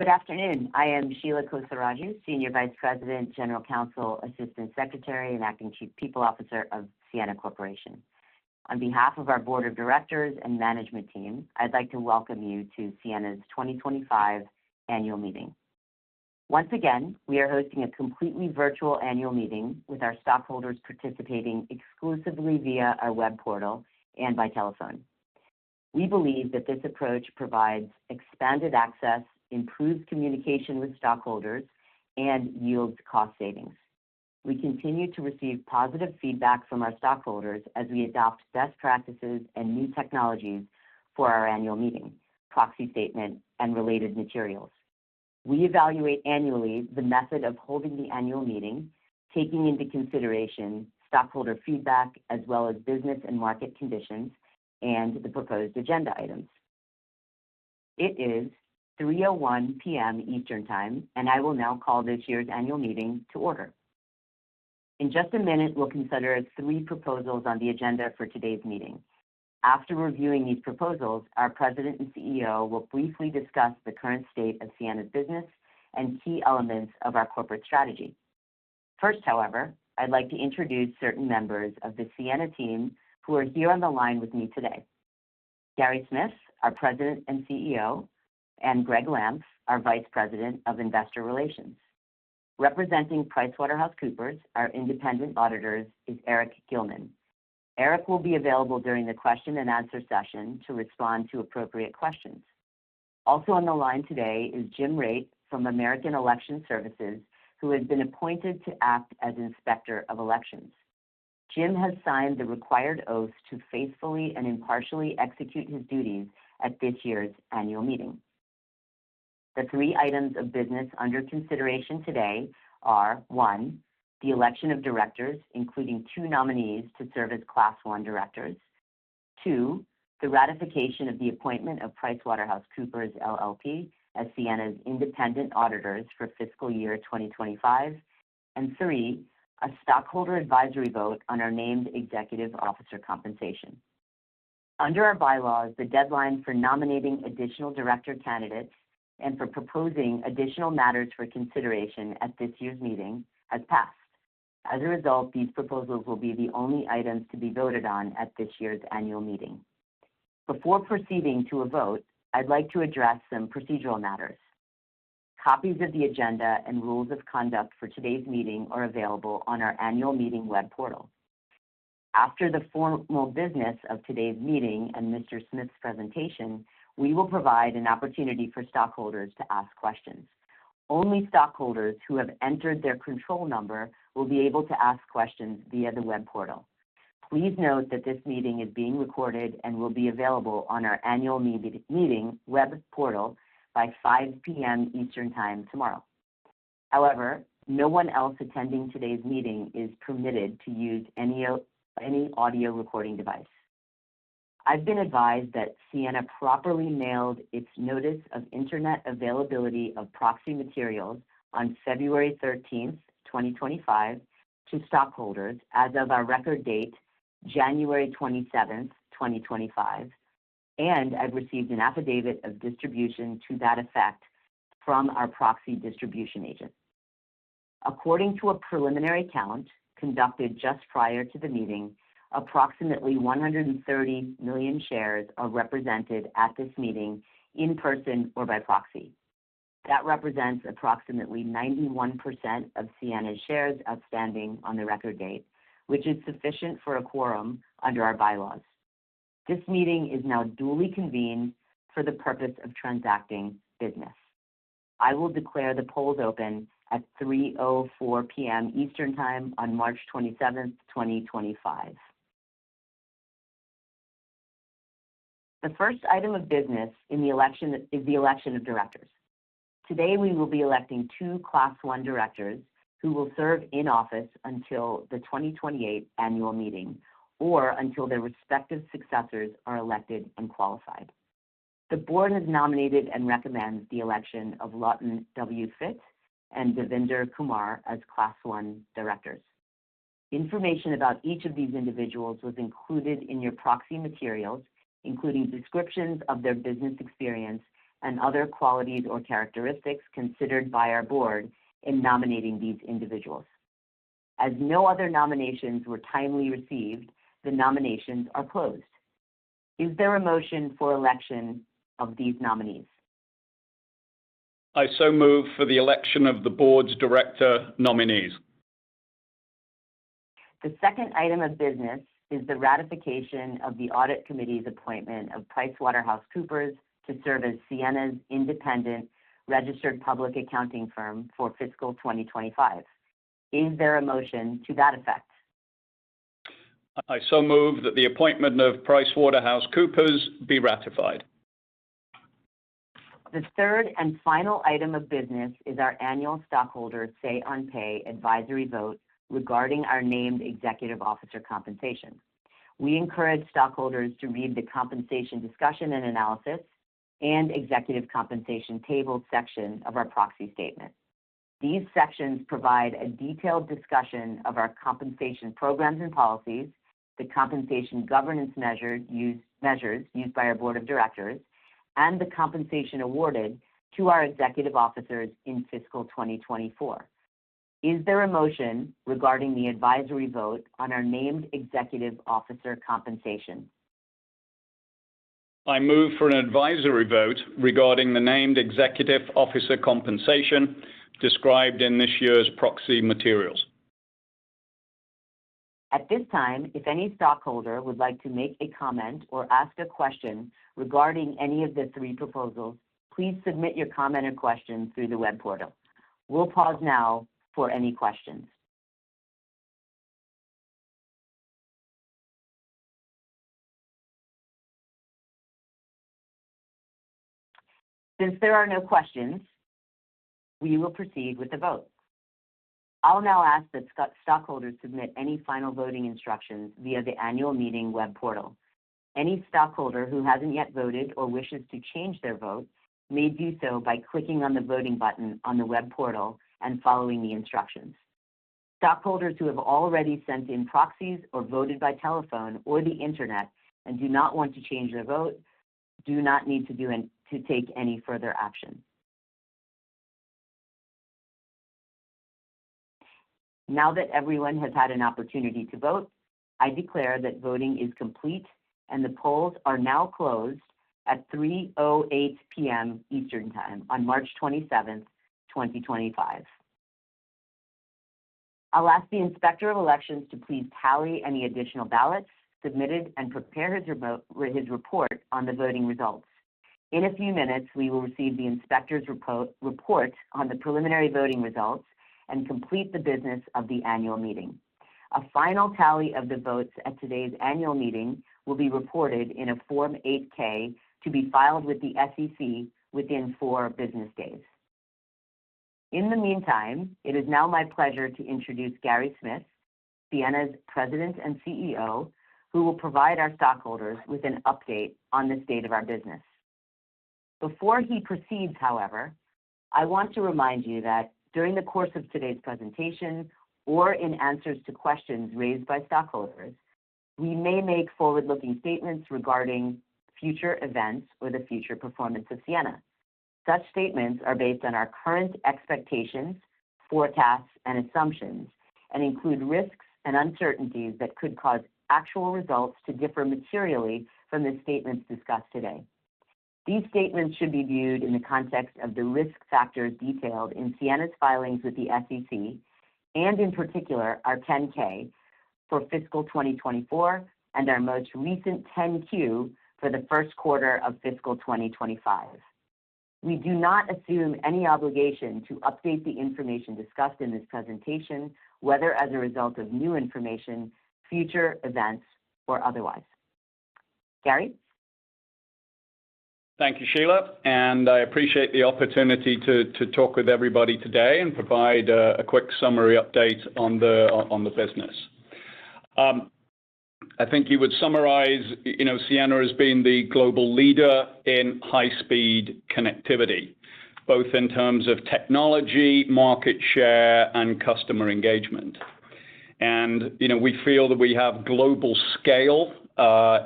Good afternoon. I am Sheela Kosaraju, Senior Vice President, General Counsel, Assistant Secretary, and Acting Chief People Officer of Ciena Corporation. On behalf of our Board of Directors and Management Team, I'd like to welcome you to Ciena's 2025 Annual Meeting. Once again, we are hosting a completely virtual annual meeting with our stockholders participating exclusively via our web portal and by telephone. We believe that this approach provides expanded access, improved communication with stockholders, and yields cost savings. We continue to receive positive feedback from our stockholders as we adopt best practices and new technologies for our annual meeting, proxy statement, and related materials. We evaluate annually the method of holding the annual meeting, taking into consideration stockholder feedback as well as business and market conditions and the proposed agenda items. It is 3:01 P.M. Eastern Time, and I will now call this year's annual meeting to order. In just a minute, we'll consider three proposals on the agenda for today's meeting. After reviewing these proposals, our President and CEO will briefly discuss the current state of Ciena's business and key elements of our corporate strategy. First, however, I'd like to introduce certain members of the Ciena team who are here on the line with me today: Gary Smith, our President and CEO, and Gregg Lampf, our Vice President of Investor Relations. Representing PricewaterhouseCoopers, our independent auditors, is Eric Gilman. Eric will be available during the question-and-answer session to respond to appropriate questions. Also on the line today is Jim Raitt from American Election Services, who has been appointed to act as Inspector of Elections. Jim has signed the required oaths to faithfully and impartially execute his duties at this year's annual meeting. The three items of business under consideration today are: one, the election of directors, including two nominees to serve as Class I Directors; two, the ratification of the appointment of PricewaterhouseCoopers, LLP, as Ciena's independent auditors for fiscal year 2025; and three, a stockholder advisory vote on our named Executive Officer compensation. Under our bylaws, the deadline for nominating additional director candidates and for proposing additional matters for consideration at this year's meeting has passed. As a result, these proposals will be the only items to be voted on at this year's annual meeting. Before proceeding to a vote, I'd like to address some procedural matters. Copies of the agenda and rules of conduct for today's meeting are available on our annual meeting web portal. After the formal business of today's meeting and Mr. Smith's presentation, we will provide an opportunity for stockholders to ask questions. Only stockholders who have entered their control number will be able to ask questions via the web portal. Please note that this meeting is being recorded and will be available on our annual meeting web portal by 5:00 P.M. Eastern Time tomorrow. However, no one else attending today's meeting is permitted to use any audio recording device. I've been advised that Ciena properly mailed its Notice of Internet Availability of Proxy Materials on February 13, 2025, to stockholders as of our record date, January 27, 2025, and I've received an affidavit of distribution to that effect from our proxy distribution agent. According to a preliminary count conducted just prior to the meeting, approximately 130 million shares are represented at this meeting in person or by proxy. That represents approximately 91% of Ciena's shares outstanding on the record date, which is sufficient for a quorum under our bylaws. This meeting is now duly convened for the purpose of transacting business. I will declare the polls open at 3:04 P.M. Eastern Time on March 27, 2025. The first item of business in the election is the election of directors. Today, we will be electing two Class 1 directors who will serve in office until the 2028 annual meeting or until their respective successors are elected and qualified. The board has nominated and recommends the election of Lawton W. Fitt and Devinder Kumar as Class 1 directors. Information about each of these individuals was included in your proxy materials, including descriptions of their business experience and other qualities or characteristics considered by our board in nominating these individuals. As no other nominations were timely received, the nominations are closed. Is there a motion for election of these nominees? I so move for the election of the board's director nominees. The second item of business is the ratification of the audit committee's appointment of PricewaterhouseCoopers to serve as Ciena's independent registered public accounting firm for fiscal 2025. Is there a motion to that effect? I so move that the appointment of PricewaterhouseCoopers be ratified. The third and final item of business is our annual stockholder say-on-pay advisory vote regarding our named Executive Officer compensation. We encourage stockholders to read the compensation discussion and analysis and executive compensation table section of our proxy statement. These sections provide a detailed discussion of our compensation programs and policies, the compensation governance measures used by our Board of Directors, and the compensation awarded to our Executive Officers in fiscal 2024. Is there a motion regarding the advisory vote on our named Executive Officer compensation? I move for an advisory vote regarding the named Executive Officer compensation described in this year's proxy materials. At this time, if any stockholder would like to make a comment or ask a question regarding any of the three proposals, please submit your comment or question through the web portal. We'll pause now for any questions. Since there are no questions, we will proceed with the vote. I'll now ask that stockholders submit any final voting instructions via the annual meeting web portal. Any stockholder who hasn't yet voted or wishes to change their vote may do so by clicking on the voting button on the web portal and following the instructions. Stockholders who have already sent in proxies or voted by telephone or the internet and do not want to change their vote do not need to take any further action. Now that everyone has had an opportunity to vote, I declare that voting is complete and the polls are now closed at 3:08 P.M. Eastern Time on March 27, 2025. I'll ask the Inspector of Elections to please tally any additional ballots submitted and prepare his report on the voting results. In a few minutes, we will receive the inspector's report on the preliminary voting results and complete the business of the annual meeting. A final tally of the votes at today's annual meeting will be reported in a Form 8-K to be filed with the SEC within four business days. In the meantime, it is now my pleasure to introduce Gary Smith, Ciena's President and CEO, who will provide our stockholders with an update on the state of our business. Before he proceeds, however, I want to remind you that during the course of today's presentation or in answers to questions raised by stockholders, we may make forward-looking statements regarding future events or the future performance of Ciena. Such statements are based on our current expectations, forecasts, and assumptions and include risks and uncertainties that could cause actual results to differ materially from the statements discussed today. These statements should be viewed in the context of the risk factors detailed in Ciena's filings with the SEC and, in particular, our 10-K for fiscal 2024 and our most recent 10-Q for the first quarter of fiscal 2025. We do not assume any obligation to update the information discussed in this presentation, whether as a result of new information, future events, or otherwise. Gary? Thank you, Sheela, and I appreciate the opportunity to talk with everybody today and provide a quick summary update on the business. I think you would summarize Ciena as being the global leader in high-speed connectivity, both in terms of technology, market share, and customer engagement. We feel that we have global scale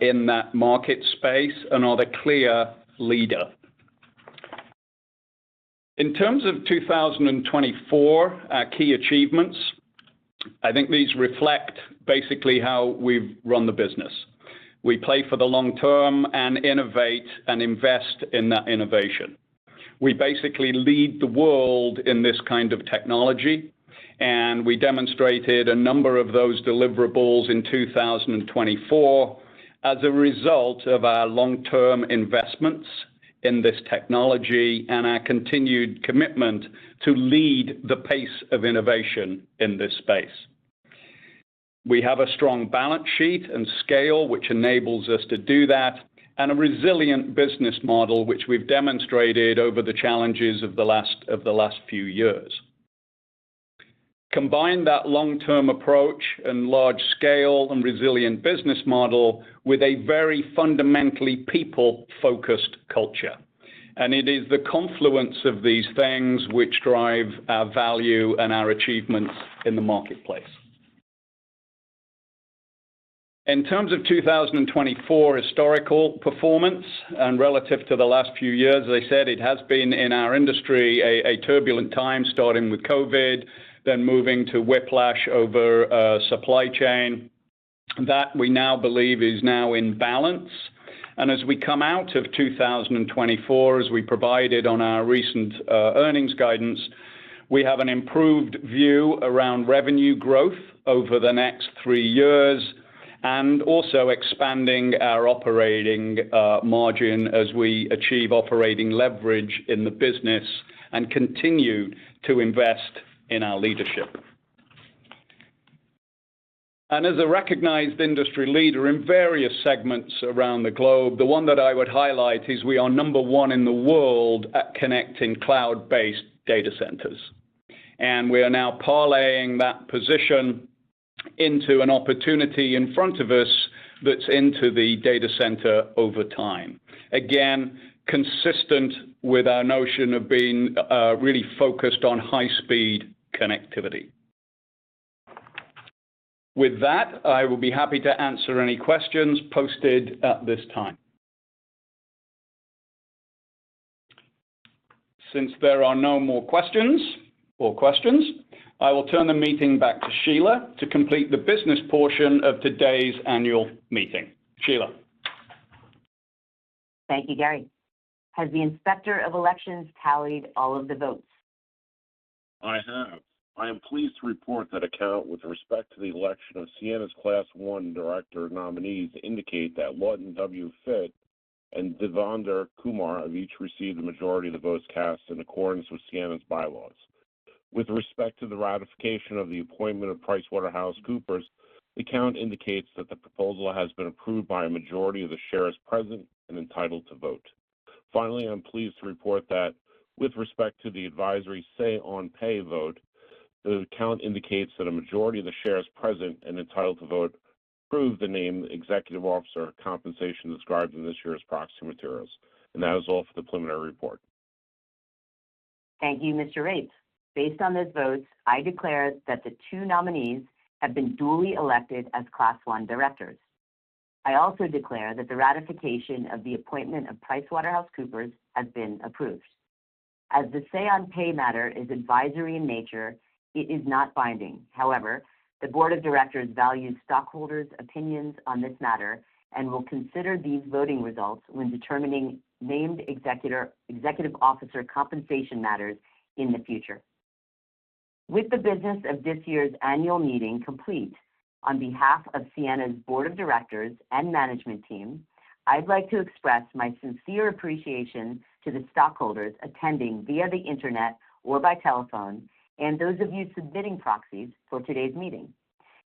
in that market space and are the clear leader. In terms of 2024 key achievements, I think these reflect basically how we've run the business. We play for the long term and innovate and invest in that innovation. We basically lead the world in this kind of technology, and we demonstrated a number of those deliverables in 2024 as a result of our long-term investments in this technology and our continued commitment to lead the pace of innovation in this space. We have a strong balance sheet and scale, which enables us to do that, and a resilient business model, which we've demonstrated over the challenges of the last few years. Combine that long-term approach and large-scale and resilient business model with a very fundamentally people-focused culture. It is the confluence of these things which drive our value and our achievements in the marketplace. In terms of 2024 historical performance and relative to the last few years, as I said, it has been in our industry a turbulent time, starting with COVID, then moving to whiplash over supply chain. That we now believe is now in balance. As we come out of 2024, as we provided on our recent earnings guidance, we have an improved view around revenue growth over the next three years and also expanding our operating margin as we achieve operating leverage in the business and continue to invest in our leadership. As a recognized industry leader in various segments around the globe, the one that I would highlight is we are number one in the world at connecting cloud-based data centers. We are now parlaying that position into an opportunity in front of us that's into the data center over time. Again, consistent with our notion of being really focused on high-speed connectivity. With that, I will be happy to answer any questions posted at this time. Since there are no more questions, I will turn the meeting back to Sheela to complete the business portion of today's annual meeting. Sheela. Thank you, Gary. Has the Inspector of Elections tallied all of the votes? I have. I am pleased to report that a count with respect to the election of Ciena's Class 1 director nominees indicates that Lawton W. Fitt and Devinder Kumar have each received the majority of the votes cast in accordance with Ciena's bylaws. With respect to the ratification of the appointment of PricewaterhouseCoopers, the count indicates that the proposal has been approved by a majority of the shares present and entitled to vote. Finally, I'm pleased to report that with respect to the advisory say-on-pay vote, the count indicates that a majority of the shares present and entitled to vote approve the named Executive Officer compensation described in this year's proxy materials. That is all for the preliminary report. Thank you, Mr. Raitt. Based on those votes, I declare that the two nominees have been duly elected as Class 1 directors. I also declare that the ratification of the appointment of PricewaterhouseCoopers has been approved. As the say-on-pay matter is advisory in nature, it is not binding. However, the Board of Directors values stockholders' opinions on this matter and will consider these voting results when determining named Executive Officer compensation matters in the future. With the business of this year's annual meeting complete, on behalf of Ciena's Board of Directors and management team, I'd like to express my sincere appreciation to the stockholders attending via the internet or by telephone and those of you submitting proxies for today's meeting.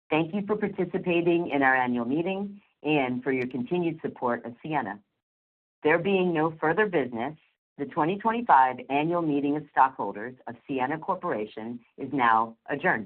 Thank you for participating in our annual meeting and for your continued support of Ciena. There being no further business, the 2025 annual meeting of stockholders of Ciena Corporation is now adjourned.